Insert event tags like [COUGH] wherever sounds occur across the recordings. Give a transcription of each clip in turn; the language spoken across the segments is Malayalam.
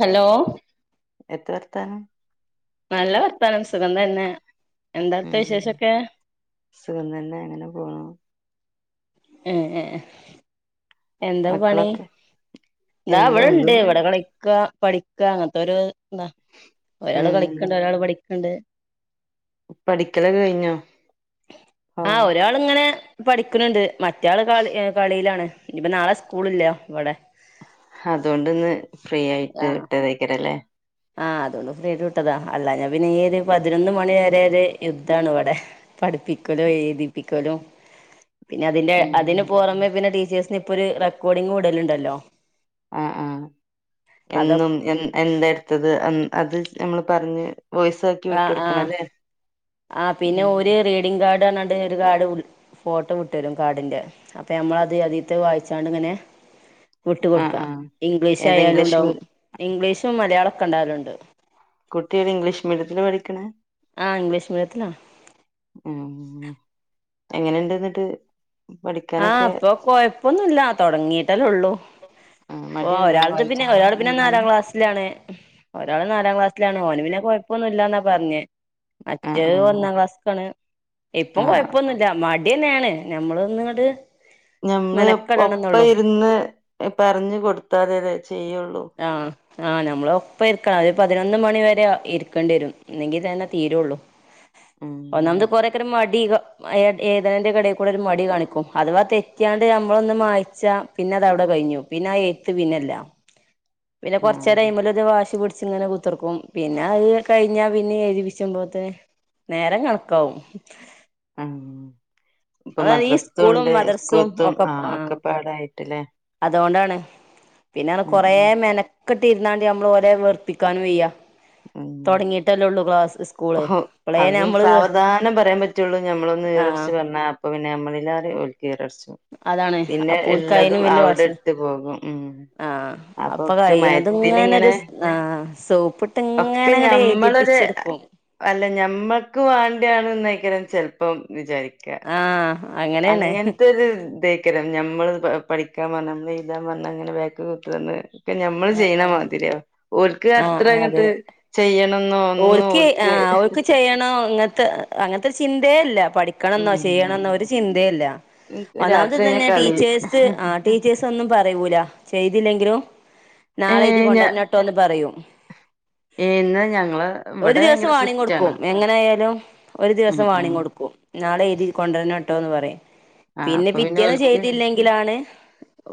ഹലോ എത്താ വർത്താനം? നല്ല വർത്താനം സുഖം തന്നെ എന്താ അവിടുത്തെ ഉം വിശേഷൊക്കെ സുഖം തന്നെ അങ്ങനെ പോണു ഏഹ് ഏഹ് എന്താ പണി? മക്കളൊക്കെ താ എന്താ വടെണ്ട് ഒന്നുല്ല വടെ കളിക്കാ പഠി ക്ക് അങ്ങൻത്തൊര് ദ ഒരാള് ഉം കളിക്ക്ണ്ട് ഒരാള് പഠിക്ക്ണ്ട് പഠിക്കലൊക്കെ കഴിഞ്ഞോ? ഓ ആഹ് ഒരാള്ങ്ങനെ പഠിക്ക്ണ്ണ്ട് മറ്റേ ആള് കളി കളിലാണ് ഇഞ്പ്പ നാളെ സ്കൂളില്ല വടെ അതോണ്ട്ന്ന് ഫ്രീ ആയിട്ട് വിട്ടതേക്കാരല്ലേ ആഹ് അതോണ്ട് ഫ്രീയായിട്ട് വിട്ടതാ അല്ലാഞ്ഞ പിന്നെ ഈ ഒര് പതിനൊന്ന് മണി വരെ ഒര് യുദ്ധണ് വടെ പഠിപ്പിക്കലും, എഴുതിപ്പിക്കലും പിന്നെ അതിന്റെ ഉം അതിന് പൊറമെ പിന്നെ ടീച്ചേഴ്സിന് ഇപ്പൊര് റെക്കോർഡിങ് വിടല്ണ്ടല്ലോ ആഹ് ആഹ് എന്നും എൻ എന്താ എട്ത്തത് അത് നമ്മള് പർഞ്ഞ് വോയിസ്‌ ആഹ് ആഹ് ആഹ് പിന്നെ ഉം ഓര് റീഡിംഗ് കാർഡ് അർഞാണ്ട് ഒര് കാർഡ് വ്ൾ ഫോട്ടം വിട്ടേരും കാർഡിന്റെ അപ്പ ഞമ്മളത് അതീത്തെ വായിച്ചാണ്ട് ങ്ങനെ വിട്ട് ആഹ് കൊട്ക്കാ ആഹ് ഏതാ ഇംഗ്ലീഷ് മീ ഇംഗ്ലീഷായാലുണ്ടാവും ഇംഗ്ലീഷും മലയാളൊക്കെണ്ടാവല്ണ്ട് കുട്ടി അയ്ന് ഇംഗ്ലീഷ് മീഡിയത്തിലാ പഠിക്ക്ണ് ആഹ് ഇംഗ്ലീഷ്മീഡിയത്തിലാ ഉം എങ്ങനെണ്ട്ന്ന്ട്ട് ആഹ് പ്പ കൊയ പ്പൊന്നുല്ല തൊടങ്ങീട്ടല്ലൊള്ളൂ ആ, പ്പൊ മടിയുണ്ടോ ഒരാൾത് പിന്നെ വായിക്കാന് ഒരാള് പിന്നെ നാലാം എഴുതാന് ക്ലാസ് ലാണ് ഒരാള് നാലാം ക്ലാസ്സിലാണ് ഓന് പിന്നെ കൊഴപ്പൊന്നുല്ലന്നാപർഞ്ഞെ ആഹ് മറ്റേത് ആഹ് ഒന്നാം ക്ലാസ്ക്കാണ് ഇപ്പം ആഹ് കൊഴ്പ്പൊന്നു ല്ല മട്യെന്നേണ് ഞമ്മളൊന്ന് ഇങ്ങട്ട് ഞമ്മള് ഒപ്പ ഇര്ന്ന് എ പർഞ്ഞ് കൊട്ത്താലെ ലെ ചെയ്യൊള്ളു ആഹ് ആഹ് ഞമ്മള് ഒപ്പര്ക്കണം അല്ലങ്കി പതിനൊന്ന് മണി വരെ അ ഇര്ക്കണ്ട്യേരും ഇന്നെങ്കിതന്നെ തീരൊള്ളു ഉം ഒന്നാമത് പ്പോ കൊറെക്കാരം മടീ ഗ മഴേ ഏത്ണേന്റെകെടേകൂടരു മടി കാണിക്കും അഥവാ തെറ്റിയാണ്ട് നമ്മളൊന്ന് മായിച്ചാ പിന്നെ അതവ്ടെ കഴിഞ്ഞു പിന്നെ ആ എഴുത്ത് പിന്നെല്ല പിന്നെ ഉം കൊറച്ചേരയ്മല് ഒര് വാഷി പിടിച്ച് ഇങ്ങനെ കു ത്തർക്കും പിന്നെ അത് കഴിഞ്ഞാ പിന്നെ എഴുതിപ്പിച്ച്പോത്തിന് നേരം കണക്കാവും ആഹ് ഇപ്പൊ അതായത് ഈ മദ്രസ്ത്തും സ്കൂളും ഉണ്ട് മദ്രസും സ്കൂൾത്തതും ആ ഒക്കപ്പാടായിട്ട്ല്ലേ അതോണ്ടാണ് പിന്നൺ ഉം കൊറേ മെന കെട്ടി ഇര്ന്നാണ്ട് നമ്മള് ഒരെ വെറുപ്പിക്കാനും വെയ്യ ഉം സ്കൂള് ഓഹൊ ഇപ്പളേ അത് നമ്മള് സാവധാനം പറയാൻ പറ്റുള്ളൂ ഞമ്മളൊന്ന് ഈറച്ച് ആഹ് പറഞ്ഞാ അപ്പൊ പിന്നെ നമ്മളില്ലാതെ ഓൽക്കി ഈറ പുടിച്ചും അതാണ് പിന്നെ അപ്പോൽക്കയിനും ഇള്ളതും വല്യ അവടെ വാശിയ ഇട്ട് പോകും ഉം ആഹ് അപ്പൊ ഒക്കെ കഴിയണതും ഇങ്ങനൊരു മയത്തിലിങ്ങനെ ആഹ് സോപ്പ്ട്ട് ഒക്കെ ഞമ്മളൊര് അല്ല ഞമ്മക്ക് വേണ്ടിയാണന്നായിക്കരം ചെലപ്പം വിജാരിക്ക്യ ആഹ് അഹ് അങ്ങൻത്തെരു തെ ക്കാരം നമ്മള് പ പഠിക്കാൻ പറഞ്ഞ നമ്മൾ എഴുതാൻ പറഞ്ഞ അങ്ങനെ ബേക്ക് കുത്ത്ട്നത് ഇപ്പ ഞമ്മള് ചെയ്യണ ആഹ് മാതിരിയ ഓൽക്ക് അത്ര ആഹ് അതെ അങ്ങട്ട് ചെയ്യണംന്നോ ഒന്ന് ഓൽക്ക് ആഹ് ഓൽക്ക് ചെയ്യണോ അങ്ങനത്തെ അങ്ങൻത്തെ ചിന്തേ ഇല്ല പഠിച്ച് ക്കണന്നോ ഉം ചെയ്യണന്നോ ഒരു ചിന്തയില്ല ഇൻക്ക് ഒന്നാമത് രാത്രി കഴിഞ്ഞ ഇതന്നെ കളി ടീച്ചേഴ്സ് ആ ടീച്ചേഴസ് ഒന്നും പറയൂല ചെയ്തില്ലെങ്കിലും ഏ നാളെ എഴുതി കൊണ്ടര്നട്ടോന്ന് പറയും എന്ന ഞങ്ങള് ഒരു ഇവിടെ ദിവസം ഭയങ്കര വാണിങ്ങ് സ്ട്രിക്റ്റ് ആണ് കൊട്ക്കും എങ്ങനെ ആയാലും ഒരു ഉം ദിവസം ഉം വാണിങ്ങ് കൊട്ക്കും നാളെ എഴുതി കൊണ്ടര്നട്ടോന്ന് പറയും ആ പിന്നെ അപ്പൊ പിറ്റേന്ന് ഓൽക്ക് ചെയ്തില്ല ങ്കിലാണ്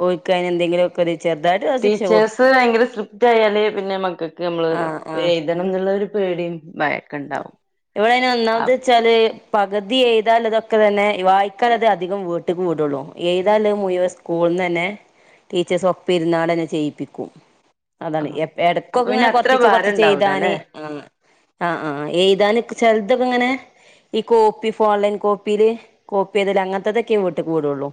ഒൽക്ക് അതിന് എന്തേങ്കിലൊക്കൊര് ചെർതാ ടീച്ചേഴ്സ് ഭയങ്കര സ്ക്രിപ്റ്റായാല് പിന്നെ മക്കൾക്ക് നമ്മള് ആഹ് വേ എഴുതണം എന്നുള്ളൊരു പേടിയും ഭയ ഇവടെ ഐന് ഒന്നാമത് ചെ ച്ചാല് പകുതി എഴുതാനുള്ളതൊക്കെ തന്നെ വായിക്കാൽ അത് അധികം വീട്ട്ക്ക് വിടൊള്ളു എഴ്താനുള്ളത് മുയുവൻ സ് സ്കൂൾന്ന് തന്നെ ടീച്ചേഴ്സ് ഒപ്പ ഇര്ന്നാണ്ടന്നെ ചെയ്യിപ്പിക്കും ആ അതാണ് എപ്പ അപ്പൊ എടക്കൊക്കെ പിന്നെ ഇങ്ങനെ അത്ര കൊറച്ചിച്ചെ ഭാരം കൊറച്ച് ഉണ്ടാവൂല അല്ലെ ചെയ്താന് ആ ആ ആ എയ്താന്ക്കെ ചെൽതൊക്കെ എങ്ങനെ ഈ കോപ്പി ഫോർലൈൻ കോപ്പിയില് കോപ്പി അതില് അങ്ങനത്തെതൊക്കെ വീട്ട്ക്ക്‌ വിടുള്ളൂ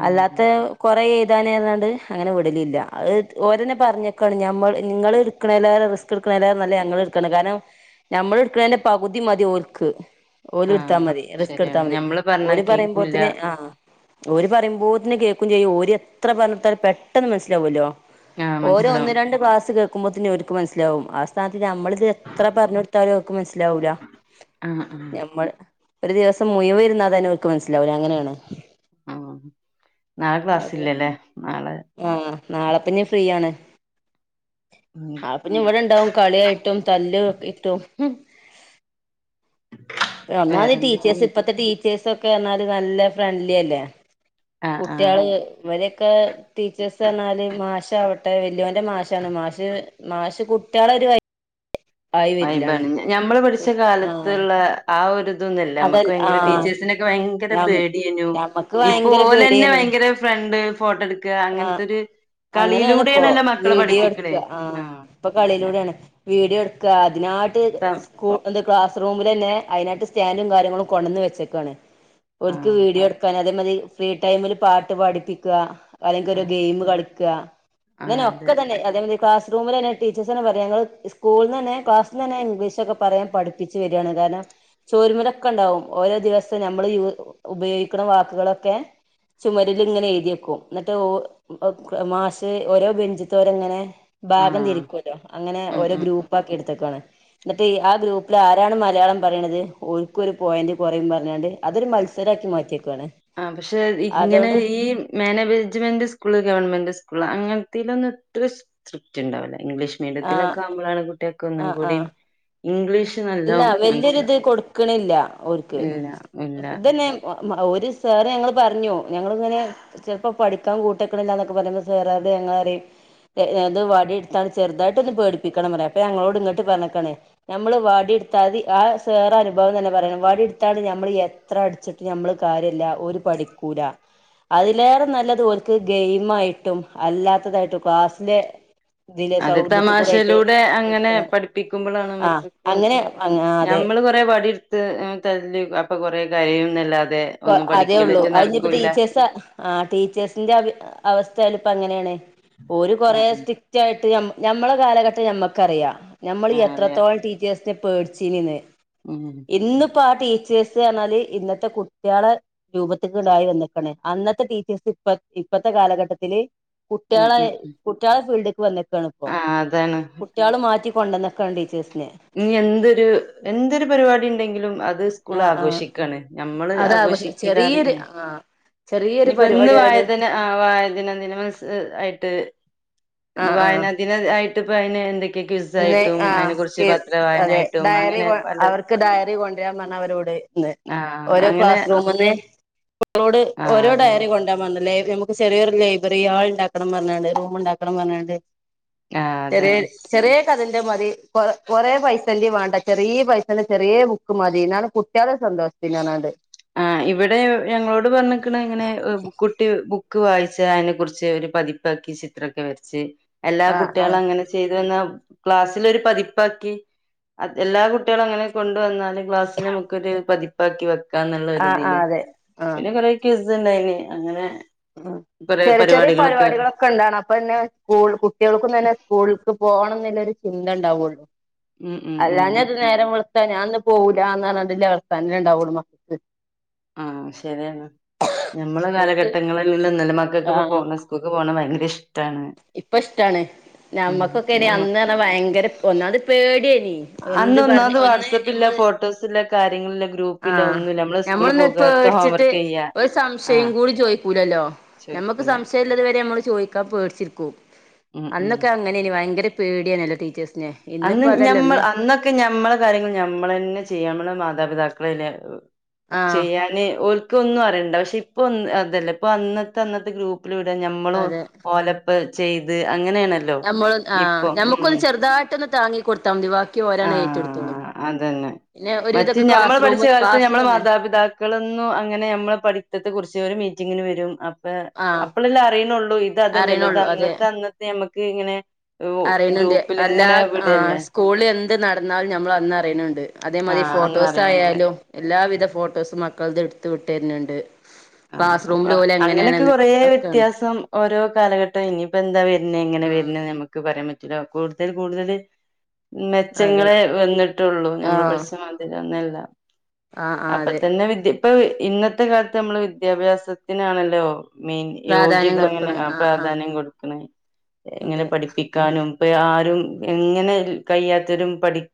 ഉം അല്ലാത്ത കൊറേ താന് താണ്ട് അങ്ങനെ വിടലില്ല അത് ഓരന്നെ പറഞ്ഞക്കാണ് ഞമ്മള് നിങ്ങള്ട് ക്കണ എല്ലാരും റിസ്ക്ക്‌ എടുക്കണ എല്ലാം നല്ല ഞങ്ങളെട് ക്കണ് കാരണം ഞമ്മൾ എടുക്കണേന്റെ പകുതി മതി ഓര്ക്ക് ഓല് ആഹ് എടുത്താമതി റിസ്ക് എടുത്താ ശരിയാണ് മതി ഞമ്മള് പറഞ്ഞാ ഓര് കേക്കൂല്ല പറയുമ്പോത്തിന് ആ ഓര് പറയുമ്പോത്തന്നെ കേൾക്കും ചെയ്യും ഓര് എത്ര പറഞ്ഞൊടുത്താലും പെട്ടെന്ന് മനസ്സിലാവുല്ലോ ആഹ് ഓര് മനസ്സിലാവും ഒന്ന് രണ്ട് ക്ലാസ് കേൾക്കുമ്പോത്തന്നെ ഓര്ക്ക് മനസ്സിലാവും ആ സ്ഥാനത്ത് നമ്മളിത് എത്ര പറഞ്ഞു കൊടു ത്താലും ഓക്ക് മനസ്സിലാവൂല ആഹ് ആഹ് ഞമ്മള് ഒരു ദിവസം മുയുവൻ ഇരുന്നതന്നെ ഓൽക്ക് മനസ്സിലാവില്ല അങ്ങനെയാണ് ആ നാളെ അപ്പൊ ക്ലാസ്സില്ലല്ലേ നാളെ ആഹ് നാളെപ്പിന്നെ ഫ്രീ ആണ് മം പിന്നെ ഇവിടെ ഇണ്ടാവും കളിയായിട്ടും തല്ല് ഇട്ടും ഒന്നാത് വേറെന്തൊക്കെ ടീച്ചേഴസ് ഇപ്പത്തെ ടീച്ചേഴ്സൊക്കെ എന്നാല് നല്ല ഫ്രണ്ട്ലി അല്ലേ ആഹ് ആഹ് കുട്ടിയള് ഇവരൊക്കെ ടീച്ചേഴസ് പറഞ്ഞാല് മാഷ് ആവട്ടെ വല്യോന്റെ മാഷാണ് മാഷ് മാഷ് കുട്ടികളെ ഒരു വ വയിബാണ് ഞമ്മള് പഠിച്ച ആഹ് കാലത്തുള്ള ആ ഒരുത് ഇന്നില്ല നമ്മുക്ക് അതല്ല ഭയങ്കര ആഹ് ടീച്ചേഴ്സിനെ ഭയങ്കര ഞ പേടിയനു ഞമ്മക്ക് ഇപ്പ ഭയങ്കര ഓല്ന്നെ പേടിയേനു ഭയങ്കര ഫ്രണ്ട് ഫോട്ടോ എടു ക്കുക ആഹ് അങ്ങനത്തെൊരു അങ്ങനെയാണ് ഇപ്പോ കളിയിലൂടെയണല്ല മക്കളെ വീഡിയോ എടുക്ക പഠിപ്പിക്കണേ ആഹ് ആ ഇപ്പൊ കളിയിലൂടെയാണ് വീട്യൊ എടുക്കുക അതിനായിട്ട് ത കൂ എന്തുവാ ക്ലാസ് റൂമിലന്നെ അതിനാട്ട് സ്റ്റാൻഡും കാര്യങ്ങളും കൊണ്ടുവന്ന് വെച്ചേക്കാണ് ഓര്ക്ക് ആഹ് വീഡിയോ എടുക്കാൻ അതേ മതി ഫ്രീ ടൈമിൽ പാട്ട് പഠിപ്പിക്കുക അല്ലെങ്കിൽ ഒരു ആഹ് ഗെയിമ് കളി ക്ക ആഹ് ഇങ്ങനെ ഒക്കെ അതെ തന്നെ അതേമാതിരി ക്ലാസ്റൂമില് തന്നെ ടീച്ചേഴസന്നെ പറയുന്നത് സ്കൂളിൽ നിന്നന്നെ ക്ലാസിൽനിന്നന്നെ ഇംഗ്ലീഷൊക്കെ പറയാൻ പഠപ്പിച്ച് വരിയാണ് കാരണം ചോരുമ്മേലൊക്കെ ഉണ്ടാവും ഓരോ ദിവസത്തെ നമ്മൾ യൂ ഉപയോഗിക്കുന്ന വാക്കുകളൊക്കെ ചുമരിലിങ്ങനെ എഴുതിവെക്കും എന്നിട്ട് ഓ മാസ ഓരോ ബെഞ്ചിത്തോരങ്ങനെ ഭാഗം ആഹ് തിരിക്കുവല്ലോ അങ്ങനെ ഉം ഓരോ ഉം ഗ്രൂപ്പ് ആക്കി എടുത്തേക്കാണ് എന്നിട്ട് ആ ഗ്രൂപ്പിൽ ആരാണ് മലയാളം പറയണത് ഓരുക്ക്‌ ഒരു പോയിന്റ് കുറയും പറഞ്ഞോണ്ട് അതൊരു മത്സരാക്കി മാറ്റിയേക്കുവാണ് ആ പക്ഷെ ഇങ്ങനെ ഈ മാനേജ്മെന്റ് സ്കൂള് ഗവൺമെന്റ് സ്കൂള് അങ്ങനത്തിലൊന്നും ഇത്ര സ്ക്രിക്റ്റ് ഉണ്ടാവില്ല ഇംഗ്ലീഷ് ആ മീഡിയത്തിലൊക്കെ ആവുമ്പോഴാണ് കുട്ടിയൊക്കൊന്നും ആ കൂടി ആ ഇംഗ്ലീഷ് ഇല്ല നല്ലോം വല്യ മനസ്സിലാ രീതിയിൽ കൊടുക്കണില്ല ഓര്ക്ക് ഇല്ല ഇല്ല. ഇതന്നെ ഒരു സാറ് ഞങ്ങള് പറഞ്ഞൂ ഞങ്ങളിങ്ങനെ ചിലപ്പോ പഠിക്കാൻ കൂട്ടക്കണില്ലന്നൊക്കെ പറയ്മ്പൊ സാറ് അതെ ഇങ്ങള് പറയും അത് വടി താണ് ചെറുതായിട്ട് ഒന്ന് പേടിപ്പിക്കണം ന്ന് പറയും അപ്പ ഞങ്ങളോട് ഇങ്ങോട്ട് പറഞ്ഞേക്കാണേ നമ്മള് വാ വടി എടുത്താൽ മതി ആ സാറ് അനുഭവം തന്നെ പറയണം വടി എടുത്താണ്ട് നമ്മള് എത്ര അടിച്ചിട്ട് നമ്മള് കാര്യമില്ല ഒരു പടി ക്കൂല അതിലേറെ നല്ലത് ഓൽക്ക് ഗെയിം ആയിട്ടും അല്ലാത്തതായിട്ടും ക്ലാസ്സിലെ ഇതിലെ അത് സൗഹൃദത്തിൽ കൂടെ ആയിട്ട് തമാശയിലൂടെ അങ്ങനെ എടുക്കണം പഠിപ്പിക്കുമ്പോളാണ് ആഹ് നമ്മുക്ക് അങ്ങനെ അതെ ഞമ്മള് കൊറെ വടി എടുത്ത് തല്ലി അപ്പൊ കൊറേ കരയുംന്നല്ലാതെ ഇപ്പോ ഒന്നും അതേ ഉള്ളൂ പഠിക്കലേറ്റെ അതിഞ്ഞീപ്പോ നടക്കൂല്ല. ടീച്ചേഴ്‌സ് ആഹ് ടീച്ചേഴ്സിന്റെ അവ അവസ്ഥ ചെലപ്പ അങ്ങനെയാണേ ഓരു ആ കൊറെ സ്റ്റി ക്റ്റായിട്ട് ഞമ്മളെ കാലഘട്ടം ഞമ്മക്കറിയാം ഞമ്മള് ആ ആ ഈ അറിയാം. എത്രത്തോളം ടീച്ചേഴ്സ് സ്നെ പേടിച്ചീനിന്ന് ഉം ഇന്നിപ്പോ ആ ടീച്ചേഴ്സ് പറഞ്ഞാല് ഇന്നത്തെ കുട് ട്ടികളെ രൂപത്തികൂടായി വന്നേക്കണ് അന്നത്തെ ടീച്ചേഴ്സ് ഇപ്പ ഇപ്പത്തെ കാലഘട്ടത്തില് കുട്ടികളെ കുട്ടികളെ ഫീൽഡേക്ക് വന്നേക്കാണ് ആഹ് അതാണ് കുട്ട്യോള് മാറ്റിക്കൊണ്ടന്നേക്കണ് ടീച്ചേഴ്സിനെ ഇനി എന്തൊരു എന്തൊരു പരിപാടി ഉണ്ടെങ്കിലും അത് സ്കൂൾ ആഹ് ആഹ് ആഘോഷി ക്കണ്. ഞമ്മള് അതാഘോഷം ആഘോഷിക്കില്ലാത് ചെറിയൊരു ആ ചെറിയൊരു ഇനിയിപ്പോ ഇന്ന് പരിപാടി ആയാലും വായതന ആ വായദനദിന മത്സ ആയിട്ട് ഇന്ന് വായനാ ദിന ആയിട്ട്പ്പ അതിന് എന്തൊക് പിന്നെ ആഹ് അതെ വായനായിട്ടും ഡയറി അങ്ങനെ കൊ പല അവർക്ക് ഡയറി കൊണ്ടരാൻ പറഞ്ഞ് അവരോട് ന്ന് ആഹ് ഓരോ അങ്ങനെ ക്ലാസ് റൂമിന്ന് ഓരോട് ആഹ് ഓരോ അതന്നെ ഡയറി കൊണ് ണ്ടാ പറഞ്ഞ് [UNINTELLIGIBLE] നമുക്ക് ചെറിയൊരു ലൈബ്രറി ഹാൾ ഉണ്ടാക്കണം പറഞ്ഞോണ്ട് റൂം ഉണ്ടാക്കണം പറഞ്ഞോണ്ട് ആഹ് ചെറിയോരു അതന്നെ ചെറിയ കഥേന്റെ മതി കൊറ കൊറെ പൈസേന്റെയും വാണ്ട ചെറിയ പൈസന്റെ ചെറിയ ബു ക്ക് മതി എന്നാണ് കുട്ടികളുടെ സന്തോഷത്തിനാണത് ആഹ് ഇവിടെ ഞങ്ങളോട് പറഞ്ഞിക്കണ് ഇങ്ങനെ കുട്ടി ബുക്ക് വായിച്ച അയ്നെ കുറിച്ച് ഒരു പതിപ് പ്പാക്കി ചിത്രൊക്കെ വരച്ച് എല്ലാ ആ ആ കുട്ടികളും അങ്ങനെ ചെയ്ത് വന്നാ ക്ലാസ്സിലൊരു പതിപ്പാക്കി എല്ലാ കുട്ടികളും അങ്ങനെ കൊണ്ടുവന്നാല് ക്ലാസ്സി നമുക്ക് ഒരു പതിപ്പാക്കി വക്കാംന്നുള്ള ഒരു ആ ആ ഇതില് അതെ പിന്നെ ആ കൊറെ ക്വിസ്ണ്ടായിന് അങ്ങനെ ആഹ് കൊറേ ചെറിയ ചെറിയ പരിപാടികളൊക്കെ പരിപാടികളൊ ക്കെ ഇണ്ടാണ് അപ്പൊ തന്നെ ക്കെണ്ടാവണം അപ്പോപ്പിന്നെ സ്കൂൾ കുട്ടികൾക്കും തന്നെ സ്കൂൾക്ക് പോണം എന്നൊള്ളൊരു ചിന്തണ്ടാവൊള്ളു ഉം ഉം ഉം അല്ലാഞ്ഞാട്ട നേരം വെള്ത്താ ഞാന്ന് പോവൂല്ല എന്നുപറഞ്ഞിട്ടുള്ള വർത്താനേ ഇണ്ടാവൊള്ളൂ മക്കക്ക് ആഹ് ശരിയാണ് ഞമ്മളെ ഓൽക്ക് കാലഘട്ടങ്ങളിൽള്ള ഒന്നൂല മക്കൾക്ക് ഇപ്പ ആഹ് പോണ സ് കൂക്ക് പോണ ഭയങ്കര ഇഷ് ഇപ്പൊ ഇഷ്ടാണ് ഉം ഞമ്മക്കൊക്കെനി ഞമ്മ അന്ന് പറഞ്ഞാ ഭയങ്കര ഒന്നാമത് പേടിയേനി എന്ത് പറഞ്ഞ് അന്നൊന്നാമത് ഒന്ന് വാട്സപ്പില്ല നമ്മള് ഫോട്ടോസില്ല കാര്യങ്ങളില്ല ഗ്രൂപ്പില്ല ആഹ് ഒന്നുല്ല നമ്മള് സ്കൂള് ഞമ്മളൊന്ന് പോക അവിടുത്തെ പേടിച്ചിട്ട് ഹോംവർക്ക് ചെയ്യാ ഒരു സംശയം ആഹ് കൂടി ചോയി ക്കൂലല്ലോ ഞമ്മക്ക് ചോയിക്കൂല സംശയള്ളത് വരെ നമ്മൾ ചോദിക്കാ പേടിച്ചിരിക്കും ഉം ഉം അന്നൊക്കെ അങ് ങ്ങനേനി ഭയങ്കര പേടിയാണല്ലോ ടീച്ചേഴ്സിനെ അന്ന് ഇന്നിപ്പോ അതല്ല ഞമ്മൾ ഇന്ന് അന്നൊക്കെ ഞമ്മളെ കാര്യങ്ങൾ ഞമ്മൾ തന്നെ ചെയ്യാ ഞമ്മളെ മാതാപിതാക്കളെല്ലേ ആഹ് ചെയ്യാന് ഓര്ക്ക ഒന്നും അറിയണ്ട പക്ഷെ ഇപ്പൊ അതല്ല ഇപ്പൊ അന്നത്തെ അന്നത്തെ ഗ്രൂപ്പ് പ്പിലൂടെ ഞമ്മള് അതെ ഓലപ്പ ചെയ്ത് അങ്ങനെയാണല് ഞമ്മൾ ആ ഞമ്മുക്കൊന്ന് ചെറുതായിട്ടൊന്ന് താങ്ങിക്കൊടുത്താ മതി ബാക് ആഹ് അതന്നെ പിന്നെ മറ്റേ ഒരുവിധൊക്കെ ഞമ്മൾ ക്ലാസ് റൂം പഠിച്ച കാലത്ത് ക്ലാസ് ഞമ്മളെ തന്നെ മാതാപിതാക് ക്കളൊന്നും അങ്ങനെ ഞമ്മളെ പഠിത്തത്തെ കുറിച്ച് ഓര് മീറ്റിങ്ങിന് വരും അ പ്പ ആഹ് അപ്പളെല്ലാം അറിയണുള്ളൂ ഇത് അതല്ലല്ലോ ഇത് അറിയണുള്ളൂ അതെ അന്നത്തെ അന്നത്തെ ഞമ്മക്ക് ഇങ്ങനെ ഗ്രൂ അറിയണുണ്ട് എല്ലാ ഗ്രൂപ്പിലിങ്ങനെ വിടിയല്ലേ സ്കൂളിൽ എന്ത് നടന്നാലും ഞമ്മള് അന്ന് അറിയണണ്ട് അതേമാതിരി ആഹ് ഫോട്ടോസ് അന്നറിയണണ്ട് ആയാലും എല്ലാവിധ ഫോട്ടോസും മക്കൾതെട്ത്ത് വിട്ടെര്ന്ണ്ട് ആഹ് ക്ലാസ്സ്‌റൂം അങ്ങനൊക്കെ കൊറേ വ്യത്യാസം ഓരോ കാലഘട്ടം ഇനിയിപ്പെന്താ വെര്നേ എങ്ങനേ ആ വെര്നേ ന്ന്ഞമ്മക്ക് ക്ക് പറയാൻ പറ്റൂല്ല കൂടുതൽ കൂടുതല് അതെ മെച്ചങ്ങളെ വന്നിട്ടുള്ളൂ ആ ഞമ്മള് പഠിച്ച മാതിര്യൊന്നല്ല ആ ആ അപ്പൊ അതെ തന്നെ വിദ്യ പ്പൊ ഇന്നത്തെ കാലത്ത് നമ്മള് വിദ്യാഭ്യാസത്തിനാണല്ലോ മെയിൻ യോഗ്യത അങ്ങനെ ആ പ്രാധാന്യം കൊട്ക്ക്ണത്. ങ്ങനെ അതെ പഠിപ്പിക് ക്കാനും ഇപ്പ ആരും എങ്ങനെ കയ്യാത്തവരും പഠിക്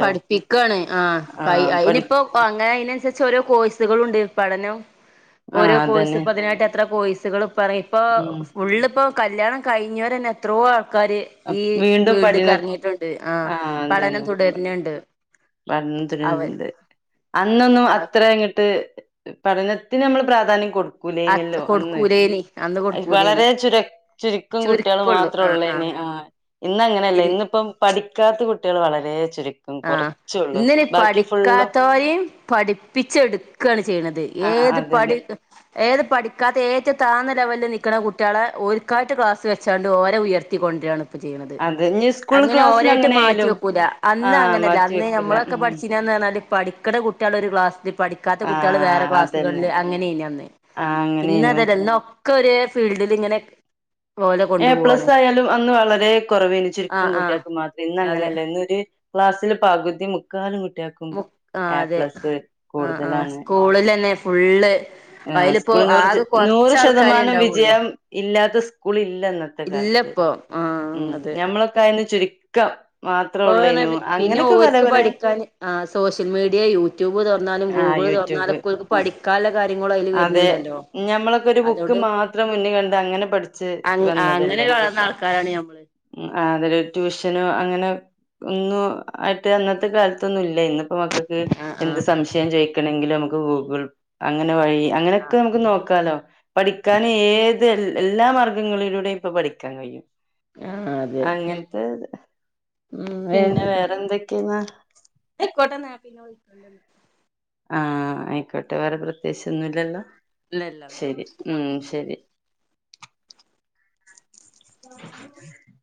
പഠിപ്പിക്കാണ് ആ കൈ ആഹ് പഠി അയിനിപ്പോ ഓ അങ്ങനെ അയ്നൻസര്ച്ചോരോ കോഴ്സുകളുണ്ട്, പഠനം ഓരോ ആഹ് കോഴ്‌സ് അതന്നെ ഇപ്പതിനായിട്ടെത്ര കോഴസ്കള്പ്പെർങ്ങി ഇപ്പോ ഉം ഫുള്ളിപ്പൊ കല്യാണം കഴിഞ്ഞോരന്നെ എത്രോ ആൾക്കാര് ഈ വീണ്ടും പഠന ഫീൽഡ്ക്കർങ്ങിയിട്ടുണ്ട്, ആഹ് പഠനം തുടര്ന്ണ്ട് പഠനം തുടരുന്നുണ്ട്. അന്നൊന്നും അത്രങ്ങട്ട് പഠനത്തിനമ്മൾ പ്രാധാന്യം കൊടു കുലേന്യല്ലോ അന്ന്, കൊടുക്കൂലേനി അന്ന് അയ് കൊടുക്കൂലേനി വളരെ ചുരു ചുരുക്കം കുട്ടികൾ മാ ചുരുക്കൊള്ളു ആ ത്രൊള്ളേനി. ആഹ് ഇന്നങ്ങനെയല്ല, ആ ഇന്നിപ്പം പഠിക്കാത്ത കുട്ടികൾ വളരെ ചുരുക്കും കൊറ ഇന്നിനി പഠിക്കാത്തോര്യും പഠിപ്പിച്ചെടുക്കാണ് ചെയ്യ്ണത്. ആ ഏത് അതെ അതെ പഠി ഏത് പഠിക്കാത്ത ഏറ്റവും താന്ന ലെവലില് നിക്ക്ണ കുട്ട്യാളെ ഓൽക്കായിട്ട് ക്ലാസ്സ് വെച്ചാണ്ട് ഓരെ ഉയർ ർത്തി കൊണ്ട്രാണ് ഇപ്പൊ ചെയ്യ്ണത്. അത് ഇനി സ്കൂൾ അങ്ങനെ ക്ലാസ്സിൽ ഓരായിട്ട് അങ്ങനെ മാറ്റി ആയാലും വെക്കൂല, ആ അന്ന ങ്ങനല്ല. മാറ്റി അന്ന് വെക്കൂല നമ്മളൊക്കെ ഉം പഠിച്ചീന്യന്ന് ർഞ്ഞാല് പഠിക്ക്ണ കുട്ട്യാളൊരു ക്ലാസില്, പഠിക്കാത്ത ആ കുട്ട്യാള് വേറെ അതന്നെ ക്ലാസ്സുകൾല്, അങ്ങനേന്യന്ന്. ആ അങ്ങനെനു ഇന്നതല്ല. ഇന്നൊക് ക്കൊരേ ഫീൽഡ്ല്ങ്ങനെ ഏ പ്ലസ് ആയാലും അന്ന് വളരെ കുറവേനി. ചുരുക്കും ആഹ് ആഹ് കുട്ടികക്ക് മാത്രേനി. അതെ ഇന്നങ്ങനെല്ല ഇന്നൊര് ക്ലാസ്സില് പകുതി മുക്കാലും കുട്ട്യാ മുക് ആഹ് അതെ ആ ആ കൂടുതലാണ് സ്കൂള്ലെന്നെ ഫുള്ള് ആഹ് അയിലിപ്പോ സ്കൂള് ആകെ [UNINTELLIGIBLE] കൊറച്ച് നൂറ് ആൾക്കാരെ ശതമാനം ഉണ്ടാവുള്ളൂ വിജയം ഇല്ലാത്ത സ്കൂളില്ലെന്ന ത്തെ കാലത്ത്. ഇല്ലപ്പൊ ആ ഉം അതെ ഞമ്മളൊക്കായന്ന് ചുര് പ്പോ പർഞ്ഞായിരി പിന്നെ പല ഓൽക്ക് പല പഠിക്കാന് ആഹ് സോഷ്യൽ മീഡിയ യൂട്യൂബ് തൊർന്നാലും ആ ഗൂഗിള് തൊർ യൂട്യൂബ് ന്നാലൊക്കോൽക്ക് പഠിക്കാല്ല കാര്യങ്ങളു അയ്ല് അതെ വെര്ന്ണ്ടല്ലോ, ഞമ്മളൊക്കെ ഒരു ബുക്ക് അതോണ്ട് മാത്രം മുന്നിൽ കണ്ട് അങ്ങനെ പഠിച്ച് അങ് വന്നതല്ലേ അങ്ങനൊരു വളർന്ന ആൾക്കാരാണ് ഞമ്മള് ഉം ആഹ് അതരു ടൂഷ്യനു അങ്ങനെ ഒന്നു ആയിട്ട് അന്നത്തെ കാലത്തൊന്നുല്ല. ഇന്ന്പ്പ മക്കക്ക് ആ ആ എന്ത് സംശയം ചോയിക്കണെങ്കിലും ഞമ്മക്ക് ഗൂഗിൾ, അങ്ങനെ വഴി അങ്ങനൊക്കെ ഞമ്മക്ക് നോക് ക്കാലോ. പഠിക്കാനേത് എല്ലാ മാർഗങ്ങളിലൂടെയും, പ്പൊ പഠിക്കാൻ കഴിയും ആ അതെ അങ്ങൻത്തത് ഉം പിന്നെ വേറെന്തൊക്കേ ന്നാ ഐക്കോട്ടെന്നാ ഞാൻ പിന്നെവിളിക്കണ്ട്ന്നാല് ആഹ് ആയിക്കോട്ടെ, വേറെ പ്രത്യേകിച്ചൊന്നുല്ലല്ലോ, ഇല്ലല്ല എന്നാ ശരി ഉം ശരി [UNINTELLIGIBLE]